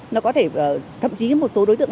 nó có thể thậm chí một số đối tượng